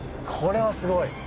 これはすごい。